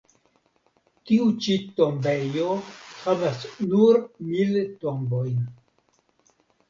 Tiu ĉi tombejo havas nur mil tombojn.